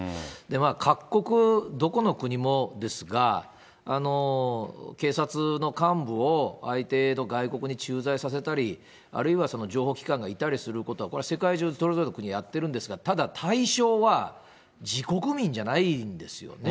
各国、どこの国もですが、警察の幹部を相手の外国に駐在させたり、あるいは情報機関がいたりすることはこれ、世界中それぞれの国でやってるんですが、ただ、対象は自国民じゃないんですよね。